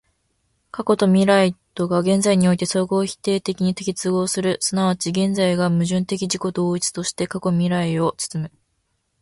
過去と未来とが現在において相互否定的に結合する、即ち現在が矛盾的自己同一として過去未来を包む、